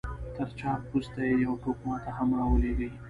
تر چاپ وروسته يې يو ټوک ما ته هم را ولېږئ.